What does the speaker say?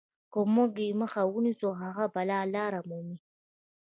که موږ یې مخه ونیسو هغه بله لار مومي.